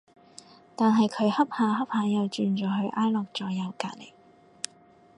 但係佢恰下恰下又轉咗去挨落咗右隔離